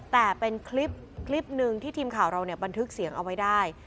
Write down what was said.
แต่เป็นคลิปหนึ่งที่ทีมข่าวเราบันทึกเสียงเอาไว้ได้